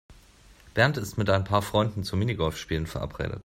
Bernd ist mit ein paar Freunden zum Minigolfspielen verabredet.